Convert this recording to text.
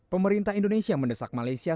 pemerintah indonesia mendesak malaysia